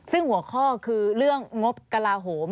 ซึ่งหัวข้อคือเรื่องงบกระลาโหม